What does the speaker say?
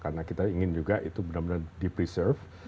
karena kita ingin juga itu benar benar di preserve